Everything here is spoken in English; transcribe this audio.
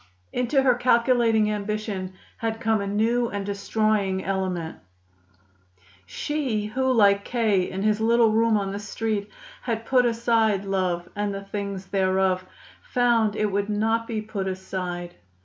Into her calculating ambition had come a new and destroying element. She who, like K. in his little room on the Street, had put aside love and the things thereof, found that it would not be put aside.